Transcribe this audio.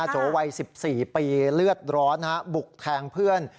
โจวัย๑๔ปีเลือดร้อนบุกแทงเพื่อน